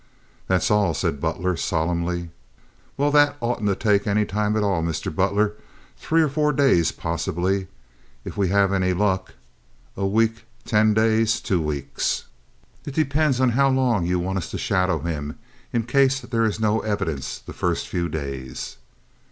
"That's all," said Butler, solemnly. "Well, that oughtn't to take any time at all, Mr. Butler—three or four days possibly, if we have any luck—a week, ten days, two weeks. It depends on how long you want us to shadow him in case there is no evidence the first few days."